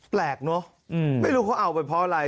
แปลกเนอะไม่รู้เขาเอาไปเพราะอะไร